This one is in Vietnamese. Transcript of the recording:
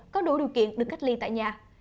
có đủ điều kiện được cách ly tại nhà